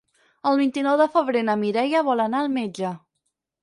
El vint-i-nou de febrer na Mireia vol anar al metge.